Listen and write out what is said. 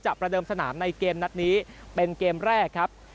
ประเดิมสนามในเกมนัดนี้เป็นเกมแรกครับ